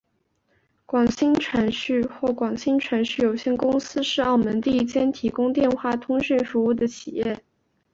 广星传讯或广星传讯有限公司是澳门第一间提供电话通讯服务的企业。